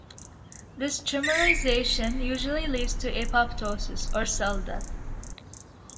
This trimerization usually leads to apoptosis, or cell death.